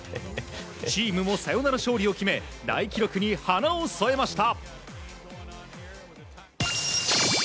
チームのサヨナラ勝利を決め大記録に花を添えました。